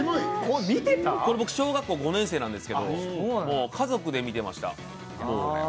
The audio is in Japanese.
これ僕小学校４年生なんですけど、家族で見てました。